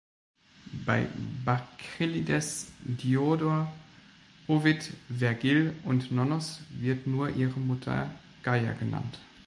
Bei Bakchylides, Diodor, Ovid, Vergil und Nonnos wird nur ihre Mutter Gaia genannt.